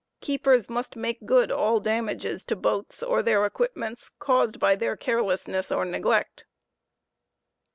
Keepers must make, good all damages to boats or their equipments caused by their carelessness or neglect.